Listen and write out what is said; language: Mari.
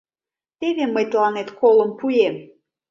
— Теве мый тыланет колым пуэм!